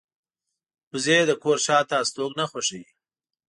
وزې د کور شاته استوګنه خوښوي